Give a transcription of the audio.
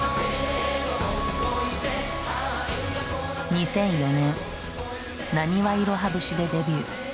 ２００４年「浪花いろは節」でデビュー。